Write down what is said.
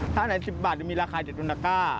ถ้าไหน๑๐บาทจะมีราคา๗อุณหกา